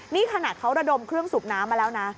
นี่ขนาดเขาระดมเครื่องสูบน้ำมาแล้วนะ